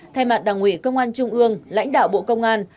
thay mặt đảng ủy công an trung ương lãnh đạo bộ công an